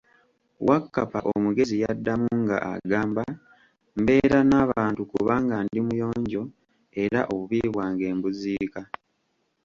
Wakkapa omugezi yaddamu nga agamba, Mbeera na abantu kubanga ndi muyonjo era obubi bwange mbuziika.